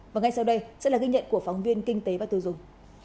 và ngay sau đây sẽ là ghi nhận của phóng viên kinh tế và tiêu dùng